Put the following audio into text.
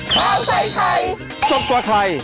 ข้าวใส่ไทยสดกว่าไทย